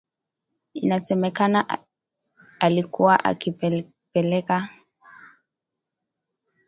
inasemekana alikuwa akizipeleka kwa wanamgambo wa kutoka katika mkoa wa Kobu